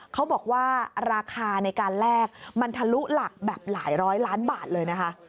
เขาบอกว่าราคาในการแลกมันทะลุหลักแบบหลายร้อยล้านบาทเลยนะคะ